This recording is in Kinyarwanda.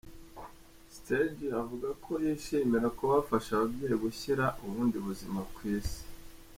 Stergios avuga ko yishimira kuba bafasha ababyeyi gushyira ubundi buzima ku Isi.